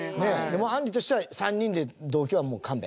もうあんりとしては３人で同居はもう勘弁？